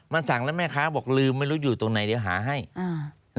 มันสั่งแล้วแม่ค้าบอกลืมไม่รู้อยู่ตรงไหนเดี๋ยวหาให้อ่า